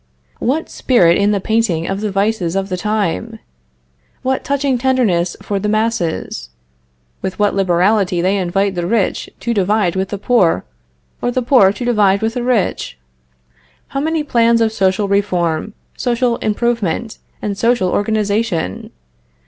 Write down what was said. What spirit in the painting of the vices of the time! What touching tenderness for the masses! With what liberality they invite the rich to divide with the poor, or the poor to divide with the rich! How many plans of social reform, social improvement, and social organization!